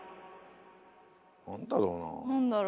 何だろうなあ。